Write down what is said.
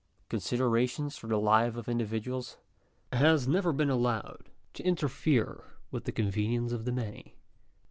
Consideration for the lives of individuals has never been allowed to interfere with the convenience of the many.